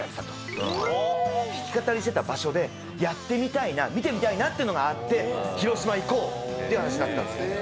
弾き語りしてた場所でやってみたいな見てみたいなっていうのがあって広島へ行こうっていう話になったんです。